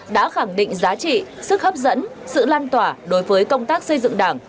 đã khẳng định giá trị sức hấp dẫn sự lan tỏa đối với công tác xây dựng đảng